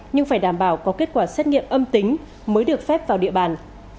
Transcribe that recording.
nhưng phải đảm bảo có kết quả xét nghiệm âm tính mới được phép vào địa bàn